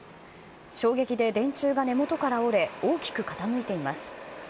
衝撃で電柱が根元から折れ、大きく傾いています。